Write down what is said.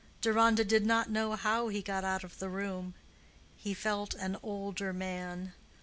Deronda did not know how he got out of the room. He felt an older man.